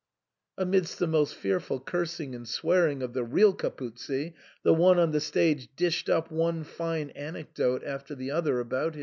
Amidst the most fearful cursing and swearing of the real Capuzzi, the one on the stage dished up one fine anecdote after the other about him.